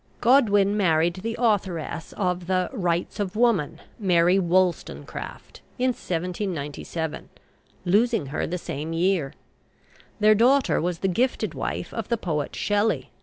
Godwin married the authoress of the "Rights of Woman," Mary Wollstonecraft, in 1797, losing her the same year. Their daughter was the gifted wife of the poet Shelley.